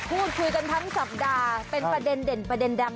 พูดคุยกันทั้งสัปดาห์เป็นประเด็นเด่นประเด็นดัง